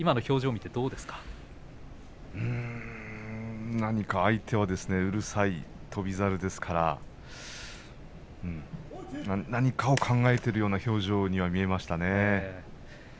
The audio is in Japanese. うーん相手はうるさい翔猿ですから何かを考えているような表情には見えましたね。